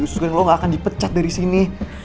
usus goreng lo gak akan dipecat dari sini